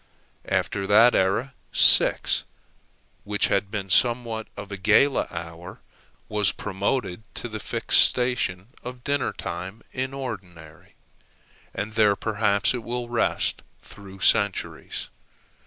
After that era, six, which had been somewhat of a gala hour, was promoted to the fixed station of dinner time in ordinary; and there perhaps it will rest through centuries.